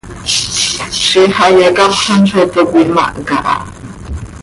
Ziix hayacapxlam zo toc cöimahca ha.